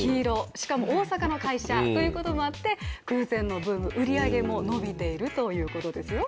しかも、大阪の会社ということもあって空前のブーム、売り上げも伸びているということですよ。